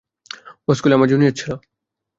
ও স্কুলে আমার জুনিয়র ছিল।